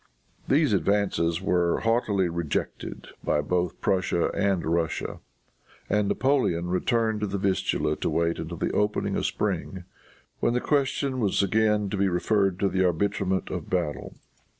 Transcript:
These advances were haughtily rejected by both Prussia and Russia; and Napoleon returned to the Vistula to wait until the opening of spring, when the question was again to be referred to the arbitrament of battle.